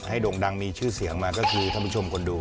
โด่งดังมีชื่อเสียงมาก็คือท่านผู้ชมคนดู